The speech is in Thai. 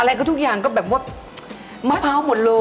อะไรก็ทุกอย่างก็แบบว่ามะพร้าวหมดเลย